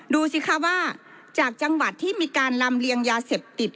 ดูสิคะว่าจากจังหวัดที่มีการลำเลียงยาเสพติด